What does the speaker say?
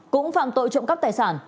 cũng phạm tội trộm cắp tài sản